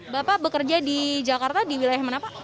bapak bekerja di jakarta di wilayah mana pak